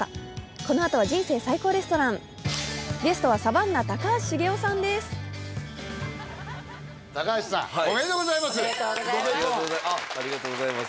このあとは「人生最高レストラン」ゲストはサバンナ高橋茂雄さんです。